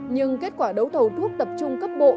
nhưng kết quả đấu thầu thuốc tập trung cấp bộ